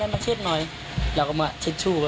มาเช็ดหน่อยแล้วก็มาเช็ดชู้